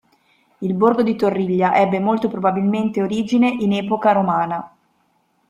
Il borgo di Torriglia ebbe molto probabilmente origine in epoca romana.